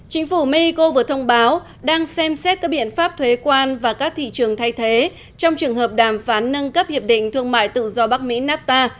chính phủ mexico vừa thông báo đang xem xét các biện pháp thuế quan và các thị trường thay thế trong trường hợp đàm phán nâng cấp hiệp định thương mại tự do bắc mỹ nafta